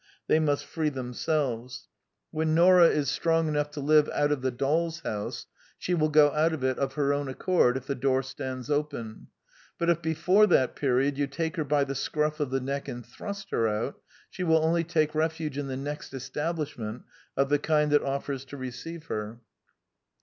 They must free themselves. When Nora is strong 112 The Quintessence of Ibsenism enough to live out of the dolFs house, she will go out of it of her own accord if the door stands open; but if before that period you take her by the scru£F of the neck and thrust her out, she will only take refuge in the next establishment of the kind that o£Fers to receive her.